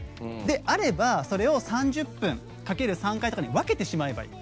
あれば、それを３０分かける３回とかに分けてしまえばいい。